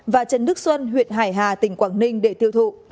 và trần đức xuân huyện hải hà tỉnh quảng ninh để tiêu thụ